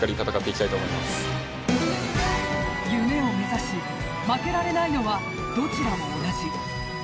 夢を目指し、負けられないのはどちらも同じ。